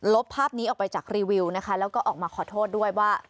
บภาพนี้ออกไปจากรีวิวนะคะแล้วก็ออกมาขอโทษด้วยว่า